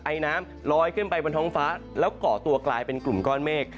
ไอน้ำลอยขึ้นไปบนท้องฟ้าแล้วก่อตัวกลายเป็นกลุ่มก้อนเมฆ